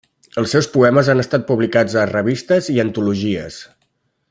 Els seus poemes han estat publicats a revistes i antologies.